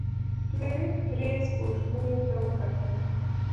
فلیریک درې سپوږمیو ته وکتل.